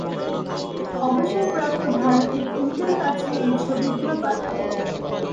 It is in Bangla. অবসরপ্রাপ্ত ভাড়াটে খুনিদের কাছে এই ছবিগুলো পাঠাও!